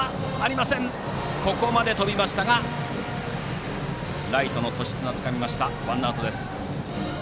ここまで飛びましたがライトの年綱がつかんでワンアウトです。